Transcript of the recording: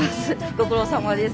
ご苦労さまです。